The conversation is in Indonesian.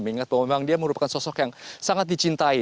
mengingat bahwa memang dia merupakan sosok yang sangat dicintai